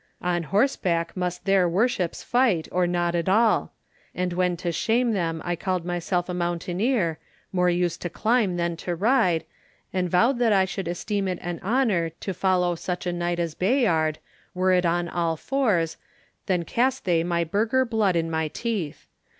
On horseback must their worships fight, or not at all; and when to shame them I called myself a mountaineer, more used to climb than to ride, and vowed that I should esteem it an honour to follow such a knight as Bayard, were it on all fours, then cast they my burgher blood in my teeth.